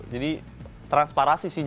jadi transparasi sih